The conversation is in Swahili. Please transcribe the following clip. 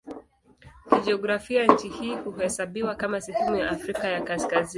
Kijiografia nchi hii huhesabiwa kama sehemu ya Afrika ya Kaskazini.